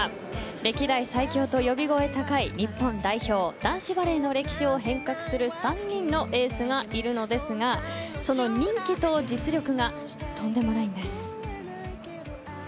歴代最強と呼び声高い日本代表男子バレーの歴史を変革する３人のエースがいるのですがその人気と実力がとんでもないんです。